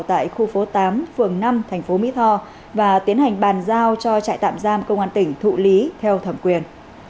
tại khu phố tám phường năm thành phố mỹ tho và tiến hành bàn giao cho trại tạm giam công an tỉnh thụ lý theo thẩm quyền